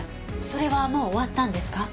それはもう終わったんですか？